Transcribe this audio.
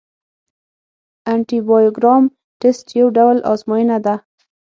انټي بایوګرام ټسټ یو ډول ازموینه ده.